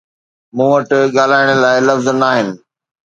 مون وٽ ڳالهائڻ لاءِ لفظ ناهن